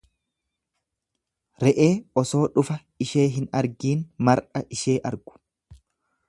Re'ee osoo dhufa ishee hin argiin mar'a ishee argu.